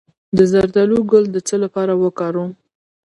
د زردالو ګل د څه لپاره وکاروم؟